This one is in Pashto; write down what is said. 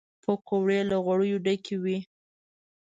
پکورې له غوړیو ډکې وي